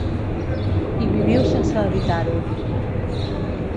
Hi viviu sense evitar-ho.